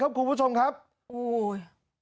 ครับครูผู้ชมครับอู้ย